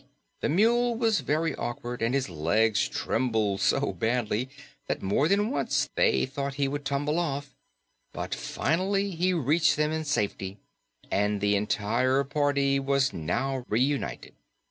The Mule was very awkward, and his legs trembled so badly that more than once they thought he would tumble off, but finally he reached them in safety, and the entire party was now reunited.